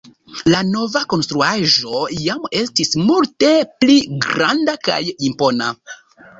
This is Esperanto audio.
La nova konstruaĵo jam estis multe pli granda kaj impona.